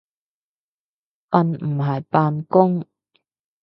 瞓唔係扮工